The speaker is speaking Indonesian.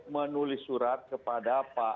menulis surat kepada